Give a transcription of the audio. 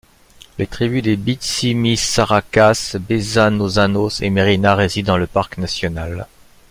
Les tribus des Betsimisarakas, Bezanozanos et Merina résident dans le parc national.